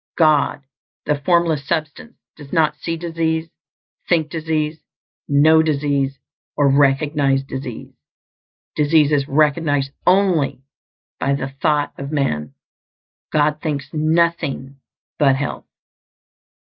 God, the Formless Substance, does not see disease, think disease, know disease, or recognize disease. Disease is recognized only by the thought of man; God thinks nothing but health.